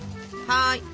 はい。